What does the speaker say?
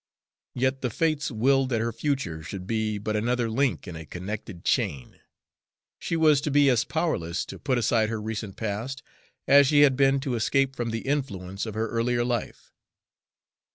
Yet the Fates willed that her future should be but another link in a connected chain: she was to be as powerless to put aside her recent past as she had been to escape from the influence of her earlier life.